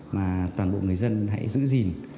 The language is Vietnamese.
mà toàn bộ người dân hãy giữ gìn